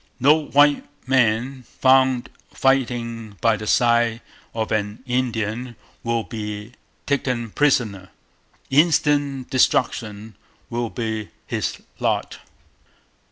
No white man found fighting by the Side of an Indian will be taken prisoner. Instant destruction will be his Lot...